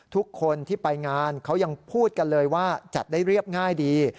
ทุกคนที่ไปงานเขายังพูดกันเลยว่าจัดได้เรียบง่ายดี